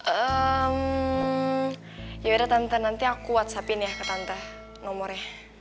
hmm yaudah tante nanti aku whatsapin ya ke tante nomornya